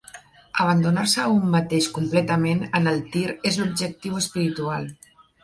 Abandonar-se a un mateix completament en el tir és l'objectiu espiritual.